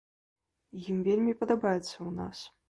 Ім вельмі падабаецца ў нас.